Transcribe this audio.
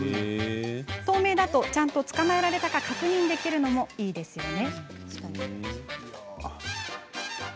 透明だとちゃんと捕まえられたか確認できるのも、いいですよね。